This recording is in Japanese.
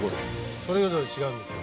それぞれ違うんですよ。